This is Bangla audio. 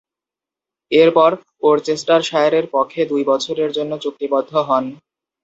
এরপর ওরচেস্টারশায়ারের পক্ষে দুই বছরের জন্য চুক্তিবদ্ধ হন।